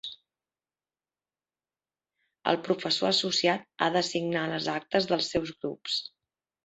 El professor associat ha de signar les actes dels seus grups.